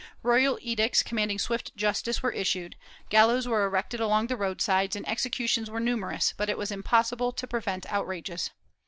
Royal edicts com manding swift justice were issued, gallows were erected along the roadsides and executions were numerous, but it was impossible to prevent outrages.